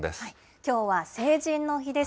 きょうは成人の日です。